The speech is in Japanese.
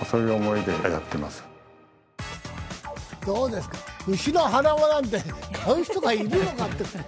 どうですか、牛の鼻輪なんて買う人がいるのかって。